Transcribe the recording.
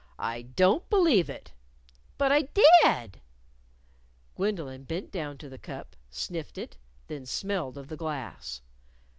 "I don't believe it!" "But I did!" Jane bent down to the cup, sniffed it, then smelled of the glass.